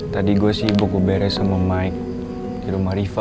tadi gue sibuk gue beres sama mike di rumah riva